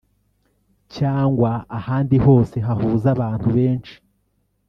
cyangwa ahandi hose hahuza abantu benshi